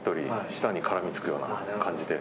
舌に絡みつくような感じで。